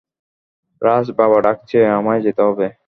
রাজ, - বাবা ডাকছে, আমায় যেতে হবে।